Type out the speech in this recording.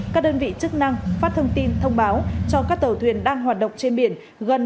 các đơn vị chức năng phát thông tin thông báo cho các tàu thuyền đang hoạt động trên biển gần